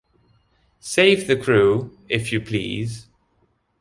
Save the crew, if you please.